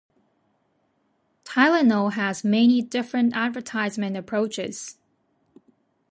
Tylenol has many different advertisement approaches.